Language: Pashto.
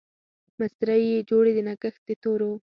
مسرۍ يې جوړې د نګهت د تورو